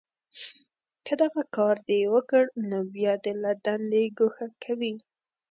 که دغه کار دې وکړ، نو بیا دې له دندې گوښه کوي